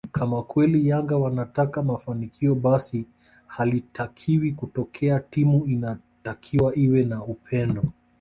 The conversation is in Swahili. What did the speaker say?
kama kweli Yanga wanataka mafanikio basi halitakiwi kutokea timu inatakiwa iwe na upendo